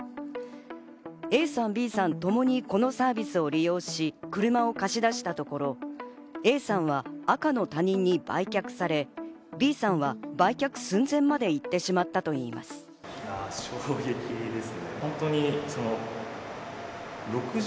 Ａさん、Ｂさんともにこのサービスを利用し、車を貸し出したところ、Ａさんは赤の他人に売却され、Ｂさんは売却寸前までいってしまったといいます。